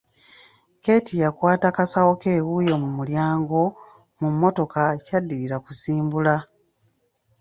Keeti yakwata kasawo ke wuuyo mu mulyango, mu mmotoka ekyaddirira kusimbula.